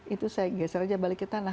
itu saya geser aja balik ke tanah